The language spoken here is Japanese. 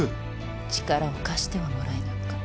力を貸してはもらえぬか？